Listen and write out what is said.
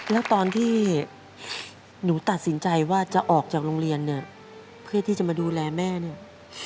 แล้วตอนที่หนูตัดสินใจว่าจะออกจากโรงเรียนเนี่ยเพื่อที่จะมาดูแลแม่เนี่ย